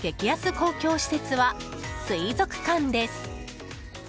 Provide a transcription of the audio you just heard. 公共施設は水族館です。